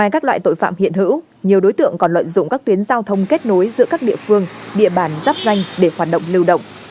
công an còn lợi dụng các tuyến giao thông kết nối giữa các địa phương địa bàn dắp danh để hoạt động lưu động